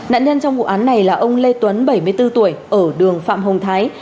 nạn nhân trong vụ án này là ông lê tuấn bảy mươi bốn tuổi ở đường phạm hồng thái